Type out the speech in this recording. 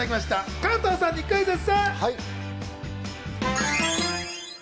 加藤さんにクイズッス！